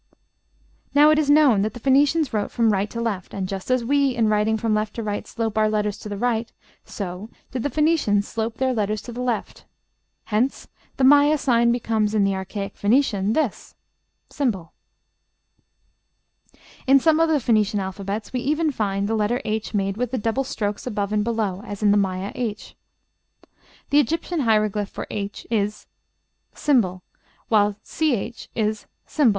Now it is known that the Phoenicians wrote from right to left, and just as we in writing from left to right slope our letters to the right, so did the Phoenicians slope their letters to the left. Hence the Maya sign becomes in the archaic Phoenician this, ###. In some of the Phoenician alphabets we even find the letter h made with the double strokes above and below, as in the Maya h. The Egyptian hieroglyph for h is ### while ch is ###.